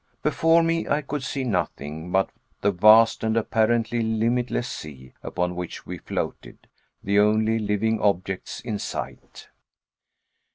Before me I could see nothing but the vast and apparently limitless sea upon which we floated the only living objects in sight.